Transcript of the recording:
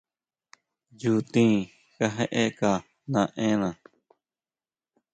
Nchutin kajeka naena.